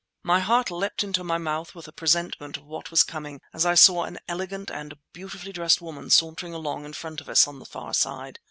My heart leapt into my mouth with a presentiment of what was coming as I saw an elegant and beautifully dressed woman sauntering along in front of us on the far side.